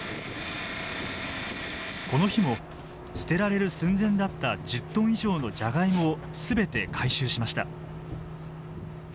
この日も捨てられる寸前だった１０トン以上のジャガイモを全て回収しました。